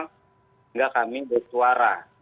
sehingga kami bertuara